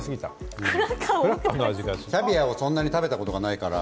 キャビアをそんなに食べたことがないから。